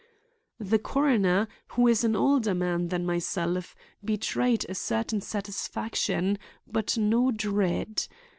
The coroner, who is an older man than myself, betrayed a certain satisfaction but no dread.